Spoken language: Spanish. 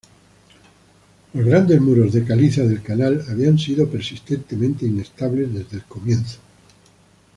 Los grandes muros de caliza del canal habían sido persistentemente inestables desde el comienzo.